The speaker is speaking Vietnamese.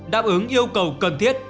đáp ứng yêu cầu cần thiết